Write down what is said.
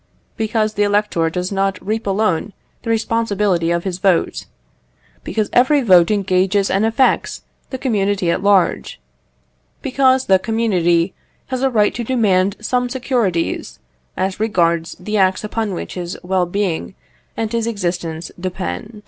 Because the elector does not reap alone the responsibility of his vote; because every vote engages and affects the community at large; because the community has a right to demand some securities, as regards the acts upon which his well being and his existence depend.